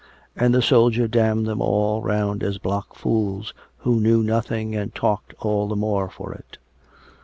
And the soldier damned them all roimd as block fools, who knew nothing and talked all the more for it.